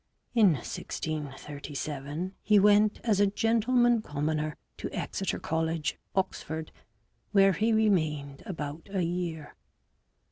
In 1637 he went as a gentleman commoner to Exeter College, Oxford, where he remained about a year.